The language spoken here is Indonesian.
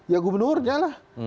ya gubernurnya lah